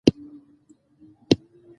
احمدشاه بابا به د سرحدونو امنیت ساته.